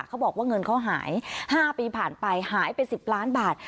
เขาบอกว่าเงินเขาหาย๕ปีผ่านไปหายไป๑๐ล้านบาท